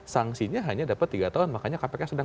sanksinya hanya dapat tiga tahun makanya kpk sedang